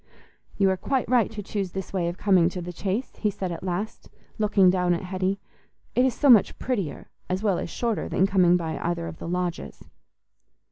"You are quite right to choose this way of coming to the Chase," he said at last, looking down at Hetty; "it is so much prettier as well as shorter than coming by either of the lodges."